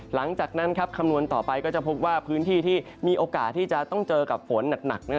คำนวณต่อไปก็จะพบว่าพื้นที่ที่มีโอกาสที่จะต้องเจอกับฝนหนัก